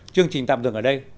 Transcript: chương trình tạm dừng ở đây